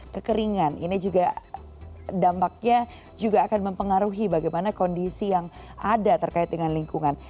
kekeringan ini juga dampaknya juga akan mempengaruhi bagaimana kondisi yang ada terkait dengan lingkungan